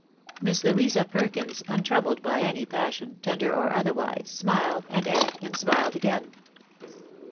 Miss Louisa Perkins, un troubled by any passion, tender or otherwise, smiled, and ate, and smiled again.